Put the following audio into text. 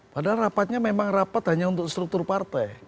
padahal rapatnya memang rapat hanya untuk struktur partai